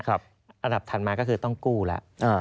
อันดับถัดมาก็คือต้องกู้แล้ว